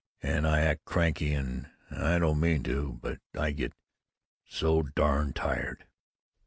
And I act cranky and I don't mean to, but I get So darn tired!"